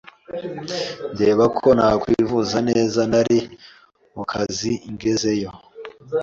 ndeba ko nakwivuza neza ntari mu kazi ngezeyo